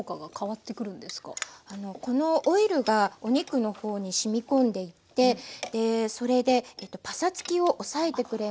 このオイルがお肉の方に染み込んでいってそれでパサつきを抑えてくれます。